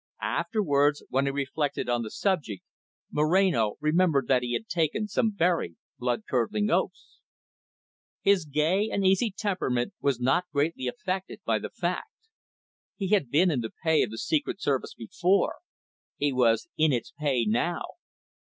Afterwards, when he reflected on the subject, Moreno remembered that he had taken some very blood curdling oaths. His gay and easy temperament was not greatly affected by the fact. He had been in the pay of the Secret Service before; he was in its pay now.